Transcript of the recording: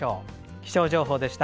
気象情報でした。